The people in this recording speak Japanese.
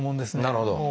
なるほど。